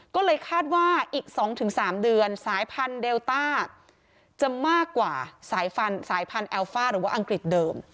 ก็เลยคาดว่าอีก๒๓เดือนสายพันธุ์เดลต้าจะมากกว่าสายพันธุแอลฟ่าหรือว่าอังกฤษเดิม